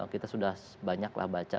kita sudah banyaklah baca